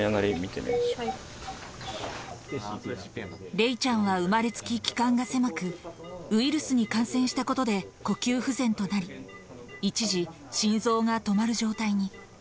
れいちゃんは生まれつきい気管が狭く、ウイルスに感染したことで呼吸不全となり、一時、心臓が止まる状態に。